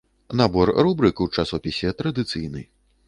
Набор рубрык у часопісе традыцыйны.